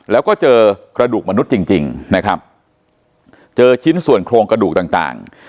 แล้วก็เจอกระดูกมนุษย์จริงจริงนะครับเจอชิ้นส่วนโครงกระดูกต่าง